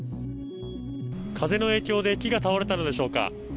風の影響で木が倒れたのでしょうか。